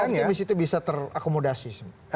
jadi apa optimis itu bisa terakomodasi